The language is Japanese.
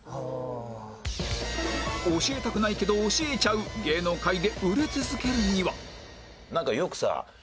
教えたくないけど教えちゃう芸能界で売れ続けるにはなんかよくさ